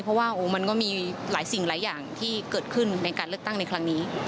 เพราะว่ามันก็มีหลายสิ่งหลายอย่างที่เกิดขึ้นในการเลือกตั้งในครั้งนี้